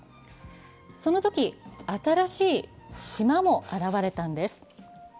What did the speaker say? そのとき、新しい島も現れたんです